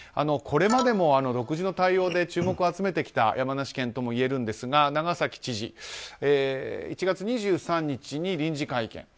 これまでも独自の対応で注目を集めてきた山梨県ともいえるんですが長崎知事１月２３日に臨時会見。